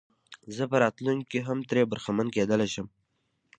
زه په راتلونکي کې هم ترې برخمن کېدلای شم.